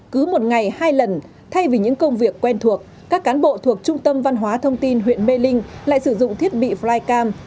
cứ một ngày hai lần thay vì những công việc quen thuộc các cán bộ thuộc trung tâm văn hóa thông tin huyện mê linh lại sử dụng thiết bị flycam